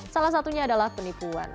salah satunya adalah penipuan